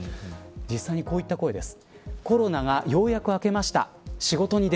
実際に、こういった声です。